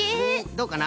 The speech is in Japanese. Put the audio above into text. どうかな？